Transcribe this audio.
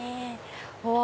うわ！